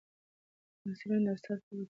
محصلینو د استاد خبرو ته غوږ نیولی و.